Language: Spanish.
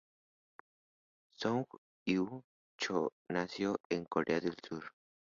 Seung-hui Cho nació en Corea del Sur.